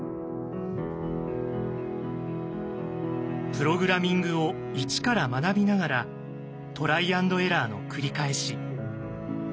プログラミングを一から学びながらトライ＆エラーの繰り返し。